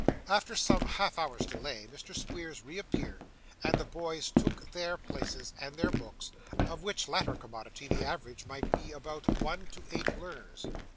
After some half hour's delay, Mr. Squeers reappeared, and the boys took their places and their books, of which latter commodity the average might be about one to eight learners.